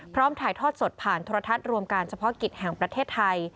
ถ่ายทอดสดผ่านโทรทัศน์รวมการเฉพาะกิจแห่งประเทศไทย